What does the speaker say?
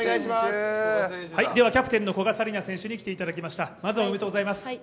キャプテンの古賀紗理那選手に来ていただきました。